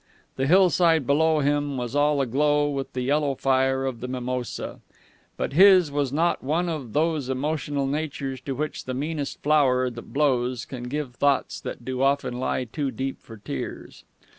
The hillside below him was all aglow with the yellow fire of the mimosa. But his was not one of those emotional natures to which the meanest flower that blows can give thoughts that do often lie too deep for tears.